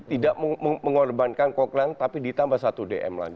tidak mengorbankan coquelin tapi ditambah satu gol